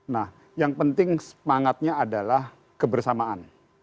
nah yang penting semangatnya adalah kebersamaan